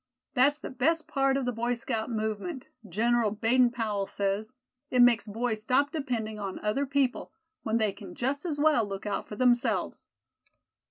That's the best part of the Boy Scout movement, General Baden Powell says; it makes boys stop depending on other people, when they can just as well look out for themselves."